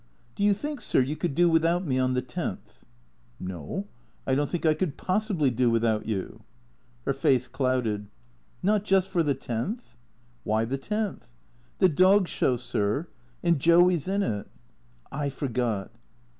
Do you think, sir, you could do without me on the tenth ?"" No. I don't think I could possibly do without you." Her face clouded. " Kot just for the tenth ?"" Why the tenth ?"" The Dog Show, sir. And Joey 's in it." "I forgot."